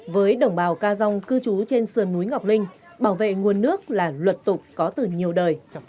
với đồng bào ca dông cư trú trên sườn núi ngọc linh bảo vệ nguồn nước là luật tục có từ nhiều đời